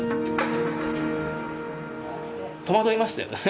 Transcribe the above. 戸惑いましたよね。